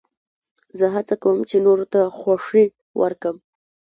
زه هڅه کوم، چي نورو ته خوښي ورکم.